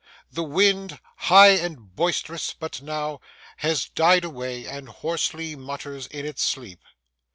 The wind, high and boisterous but now, has died away and hoarsely mutters in its sleep.